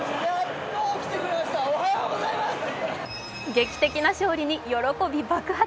劇的な勝利に喜び爆発！